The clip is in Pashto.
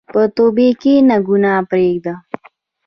په توبې کښېنه، ګناه پرېږده.